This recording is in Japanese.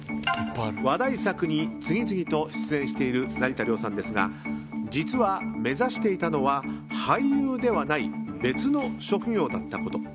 話題作に次々と出演している成田凌さんですが実は、目指していたのは俳優ではない別の職業だったこと。